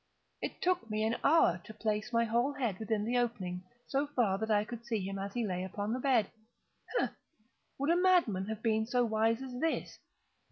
It took me an hour to place my whole head within the opening so far that I could see him as he lay upon his bed. Ha!—would a madman have been so wise as this?